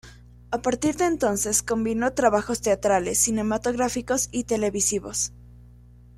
A partir de entonces, combinó trabajos teatrales, cinematográficos y televisivos.